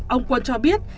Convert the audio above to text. ông quân cho biết